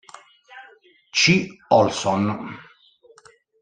C. Olson.